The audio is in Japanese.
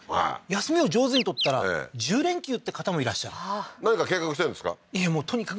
休みを上手に取ったら１０連休って方もいらっしゃる何か計画してるんですか？